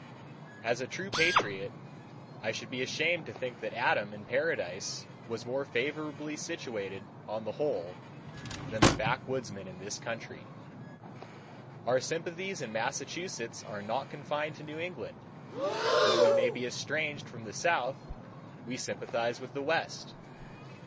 As a true patriot, I should be ashamed to think that Adam in paradise was more favorably situated on the whole than the backwoodsman in this country. Our sympathies in Massachusetts are not confined to New England; though we may be estranged from the South, we sympathize with the West.